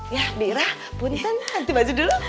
ya bihira punten ganti baju dulu